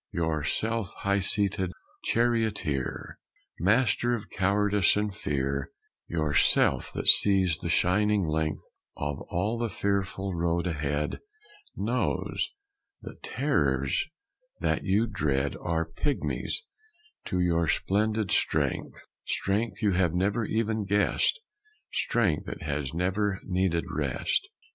Your Self, high seated charioteer, Master of cowardice and fear, Your Self that sees the shining length Of all the fearful road ahead, Knows that the terrors that you dread Are pigmies to your splendid strength; Strength you have never even guessed, Strength that has never needed rest.